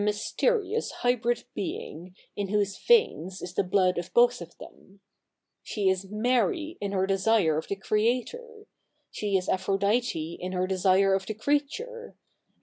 iysterious hybrid being, 2i6 THE NEW REPUBLIC [hk. iv 171 whose veins is the blood of both of them. She is Ma^y in her desire of the Creator ; she is Aphrodite in her desire of the creature; a/id i?